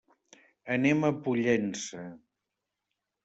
Anem a Pollença.